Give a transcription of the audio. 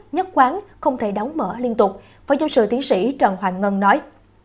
nhất quán không thể đóng mở liên tục phó giáo sư tiến sĩ trần hoàng ngân nói